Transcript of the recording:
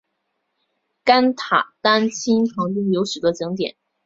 甘丹塔钦旁边有许多景点。